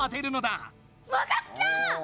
わかった！